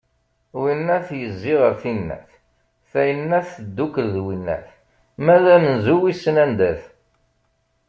Winnat yezzi ɣer tinnat, tayennat teddukel d winnat, ma d amenzu wisen anda-t.